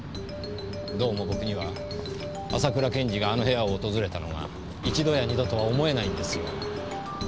どうも僕には浅倉検事があの部屋を訪れたのが一度や二度とは思えないんですよ。